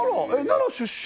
奈良出身？